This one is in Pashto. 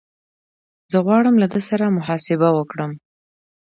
زه غواړم له ده سره مباحثه وکړم.